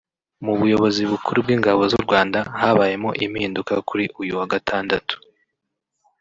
Mu buyobozi bukuru bw’ingabo z’u Rwanda habayemo impinduka kuri uyu wa Gatandatu